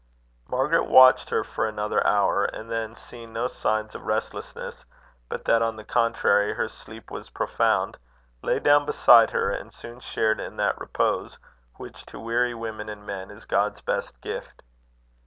Margaret watched her for another hour, and then seeing no signs of restlessness, but that on the contrary her sleep was profound, lay down beside her, and soon shared in that repose which to weary women and men is God's best gift.